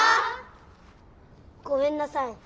ごめんなさい。